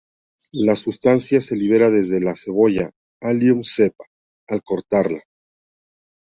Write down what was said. La sustancia se libera desde la cebolla, "Allium cepa", al cortarla.